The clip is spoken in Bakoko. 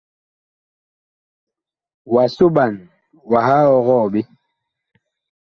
Wa soɓan, wah ɔgɔɔ ɓe.